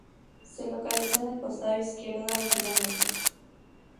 Se localiza en el costado izquierdo del Km.